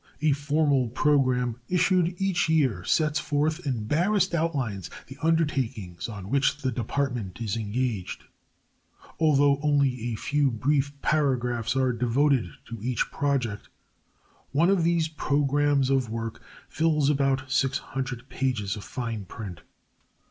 A formal program issued each year sets forth in barest outlines the undertakings on which the Department is engaged. Although only a few brief paragraphs are devoted to each project, one of these "Programs of Work" fills about 600 pages of fine print.